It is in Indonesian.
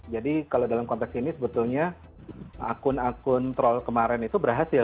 jadi kalau dalam konteks ini sebetulnya akun akun troll kemarin itu berhasil